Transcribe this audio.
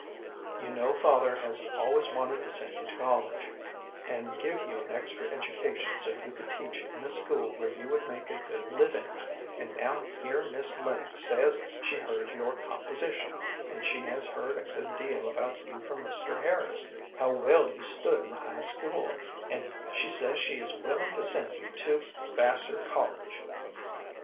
You know father has always wanted to send you to college, and give you an extra education so you could teach in a school where you would make a good living, and now here Miss Lennox says she heard your composition, and she has heard a good deal about you from Mr. Harris, how well you stood in the high school, and she says she is willing to send you to Vassar College."